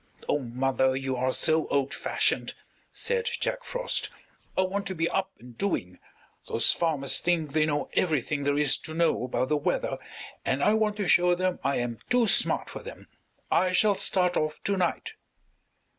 "Oh, mother, you are so old fashioned," said Jack Frost. "I want to be up and doing. Those farmers think they know everything there is to know about the weather, and I want to show them I am too smart for them. I shall start off to night."